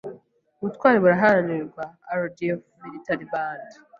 Ubutwari buraharanirwa; RDF- Military Band